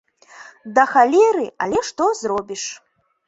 Да халеры, але што зробіш.